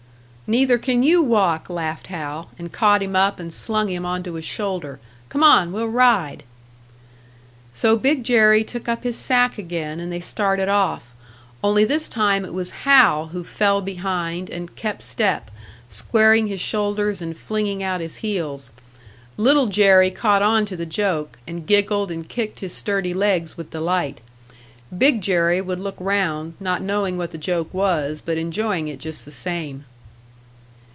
"Neither can you walk!" laughed Hal, and caught him up and slung him onto his shoulder. "Come on, we'll ride!" So Big Jerry took up his sack again, and they started off; only this time it was Hal who fell behind and kept step, squaring his shoulders and flinging out his heels. Little Jerry caught onto the joke, and giggled and kicked his sturdy legs with delight. Big Jerry would look round, not knowing what the joke was, but enjoying it just the same.